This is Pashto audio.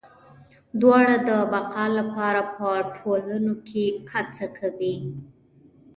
دواړه د بقا لپاره په ټولنو کې هڅه کوي.